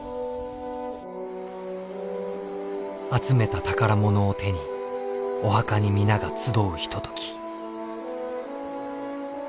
集めた宝物を手にお墓に皆が集うひととき。